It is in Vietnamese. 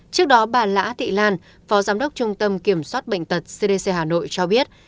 trước đó bà lã thị lan phó giám đốc trung tâm kiểm soát bệnh tật cdc hà nội cho biết